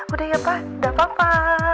udah ya pak udah papa